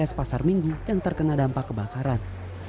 baris pasar minggu yang terkena dampak kebakaran